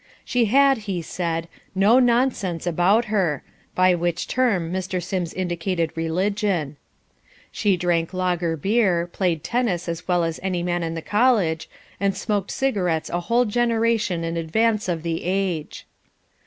She had, he said, no "nonsense" about her, by which term Mr. Sims indicated religion. She drank lager beer, played tennis as well as any man in the college, and smoked cigarettes a whole generation in advance of the age.